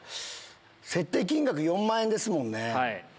設定金額４万円ですもんね。